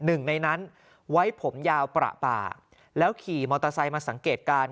หนึ่งในนั้นไว้ผมยาวประปาแล้วขี่มอเตอร์ไซค์มาสังเกตการณ์